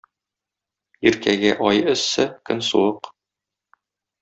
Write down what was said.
Иркәгә ай эссе, көн суык.